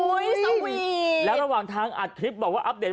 สวีทแล้วระหว่างทางอัดคลิปบอกว่าอัปเดต